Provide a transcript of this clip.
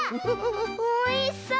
おいしそう！